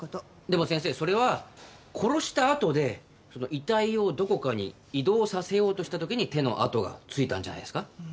でも先生それは殺したあとでその遺体をどこかに移動させようとした時に手の痕がついたんじゃないですか？